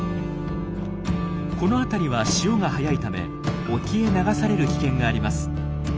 この辺りは潮が速いため沖へ流される危険があります。